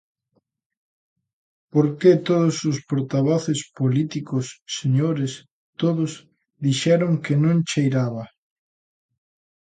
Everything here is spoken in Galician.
Porque todos os portavoces políticos, señores, todos, dixeron que non cheiraba.